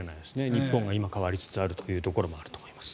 日本が今、変わりつつあるというところもあると思います。